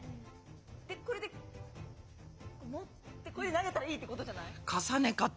でこれで持ってこれで投げたらいいってことじゃない？